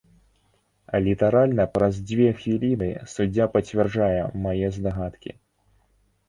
Літаральна праз дзве хвіліны суддзя пацвярджае мае здагадкі.